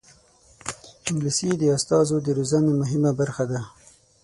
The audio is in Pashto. انګلیسي د استازو د روزنې مهمه برخه ده